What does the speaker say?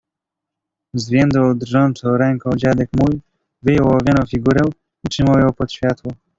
"Zwiędłą drżącą ręką dziadek mój wyjął ołowianą figurę i trzymał ją pod światło."